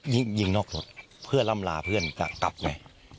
ยิงนอกรถเพื่อล่ำลาเพื่อนจะกลับไป